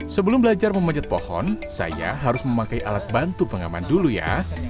sebelum belajar memanjat pohon saya harus memakai alat bantu pengaman dulu ya